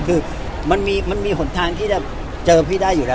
คือมันมีหนทางที่จะเจอพี่ได้อยู่แล้ว